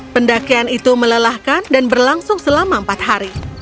pendakian itu melelahkan dan berlangsung selama empat hari